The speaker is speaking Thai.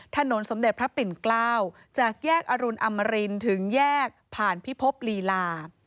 ถนนสมเด็จพระปิ่นเกล้าจากแยกอรุณอมรินถึงแยกผ่านพิภพลีลา